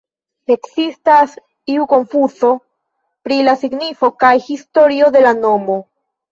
Ekzistas ia konfuzo pri la signifo kaj historio de la nomo.